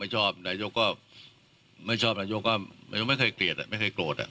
ชอบไม่ชอบนายโยคก็ไม่เคยเกลียดไม่เคยโกรธ